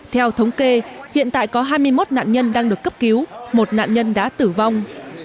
theo thống kê hiện tại có hai mươi một nạn nhân đang được cấp cứu một nạn nhân đã tử vong